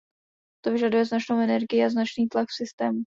To vyžaduje značnou energii a značný tlak v systému.